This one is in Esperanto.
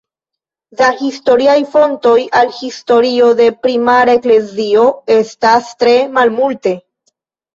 Da historiaj fontoj al historio de primara eklezio estas tre malmulte.